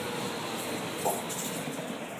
მდებარეობს რუმინეთში, ფეგერაშის მასივზე.